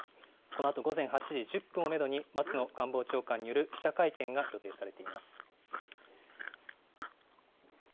このあと午前８時１０分をメドに、松野官房長官による記者会見が予定されています。